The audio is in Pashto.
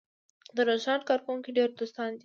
د رستورانت کارکوونکی ډېر دوستانه دی.